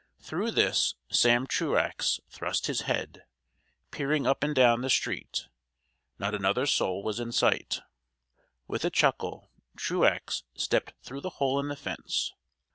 Through this Sam Truax thrust his head, peering up and down the street. Not another soul was in sight. With a chuckle Truax stepped through the hole in the fence.